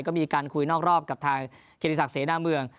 ก็มีการคุยนอกรอบกับทางเกณฑศักดิ์เสน่ห์หน้าเมือง